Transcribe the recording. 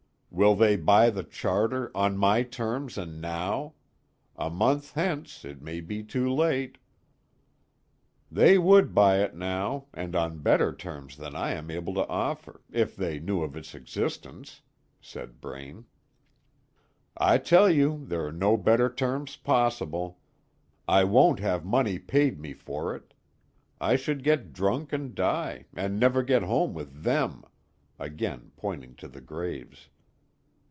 "Will they buy the charter on my terms, and now? A month hence it may be too late." "They would buy it now, and on better terms than I am able to offer, if they knew of its existence," said Braine. "I tell you there are no better terms possible. I won't have money paid me for it. I should get drunk and die, and never get home with them," again pointing to the graves.